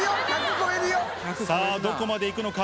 さあ、どこまでいくのか。